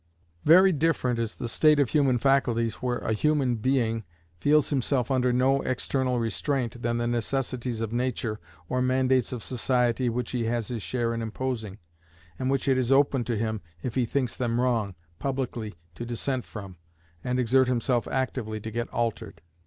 Very different is the state of the human faculties where a human being feels himself under no other external restraint than the necessities of nature, or mandates of society which he has his share in imposing, and which it is open to him, if he thinks them wrong, publicly to dissent from, and exert himself actively to get altered.